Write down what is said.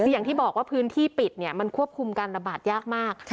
คืออย่างที่บอกว่าพื้นที่ปิดมันควบคุมการระบาดยากมาก